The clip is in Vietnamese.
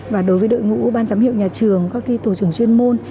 và đối với đội ngũ ban giám hiệu nhà trường các tổ trưởng chuyên môn